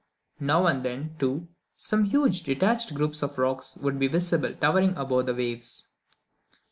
Now and then, too, some huge detached groups of rocks would be visible towering above the waves.